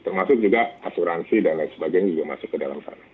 termasuk juga asuransi dan lain sebagainya juga masuk ke dalam sana